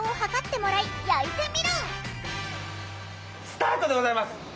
スタートでございます。